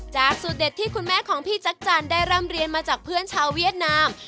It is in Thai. สูตรเด็ดที่คุณแม่ของพี่จักรจันทร์ได้ร่ำเรียนมาจากเพื่อนชาวเวียดนาม